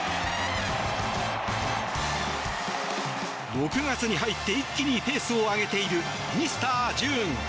６月に入って一気にペースを上げているミスター・ジューン。